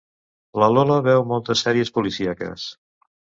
La Lola veu moltes sèries policíaques.